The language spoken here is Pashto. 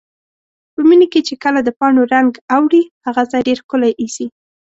په مني کې چې کله د پاڼو رنګ اوړي، هغه ځای ډېر ښکلی ایسي.